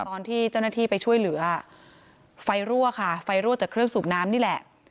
ตอนที่เจ้าหน้าที่ไปช่วยเหลือไฟรั่วค่ะไฟรั่วจากเครื่องสูบน้ำนี่แหละ